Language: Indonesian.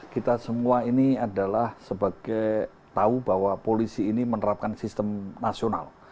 kita semua ini adalah sebagai tahu bahwa polisi ini menerapkan sistem nasional